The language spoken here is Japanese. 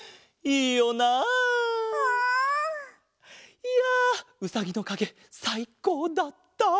いやうさぎのかげさいこうだった。